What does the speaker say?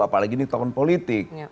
apalagi ini tahun politik